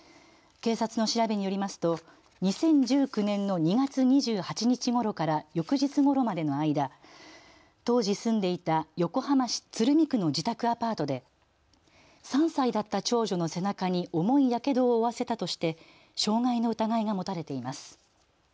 警察の調べによりますと２０１９年の２月２８日ごろから翌日ごろまでの間当時、住んでいた横浜市鶴見区の自宅アパートで３歳だった長女の背中に重いやけどを負わせたとして傷害の疑いが持たれています。